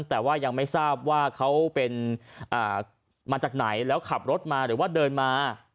แต่ว่ายังไม่ทราบว่าเขาเป็นมาจากไหนแล้วขับรถมาหรือว่าเดินมา